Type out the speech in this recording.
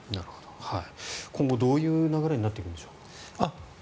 今後、どういう流れになっていくんでしょう。